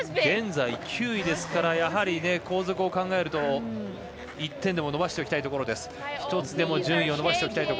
現在９位ですからやはり、後続を考えると１点でも伸ばしておきたいところです。